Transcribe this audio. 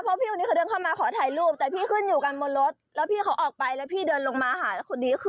พี่มีปัญหาเอาหนูก็มีเพราะว่าพี่มาหาเขาก่อน